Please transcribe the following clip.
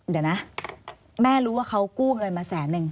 เดี๋ยวนะแม่รู้ว่าเขากู้เงินมาแสนนึง